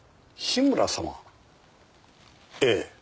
樋村様ええ。